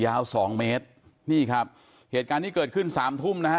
ยาวสองเมตรนี่ครับเหตุการณ์นี้เกิดขึ้นสามทุ่มนะฮะ